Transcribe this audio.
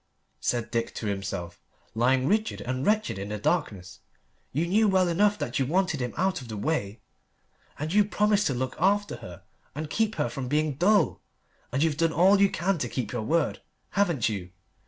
said Dick to himself, lying rigid and wretched in the darkness. "You knew well enough that you wanted him out of the way. And you promised to look after her and keep her from being dull. And you've done all you can to keep your word, haven't you?